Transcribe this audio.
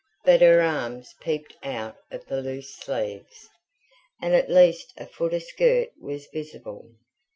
But her arms peeped out of the loose sleeves, and at least a foot of skirt was visible.